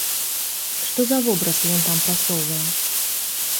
Што за вобраз ён там прасоўвае?